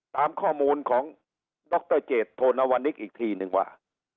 ตามข้อมูลของดรเจตโทนวนิกอีกทีนึงว่า